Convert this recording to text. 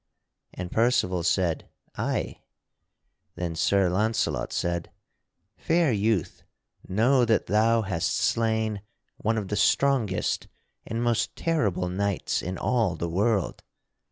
And Percival said: "Ay." Then Sir Launcelot said: "Fair youth, know that thou hast slain one of the strongest and most terrible knights in all the world.